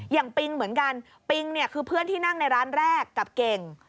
ปิงเหมือนกันปิงเนี่ยคือเพื่อนที่นั่งในร้านแรกกับเก่ง